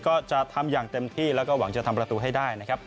ก็จะทำอย่างเต็มที่แล้วก็หวังจะทำประตูให้ได้นะครับ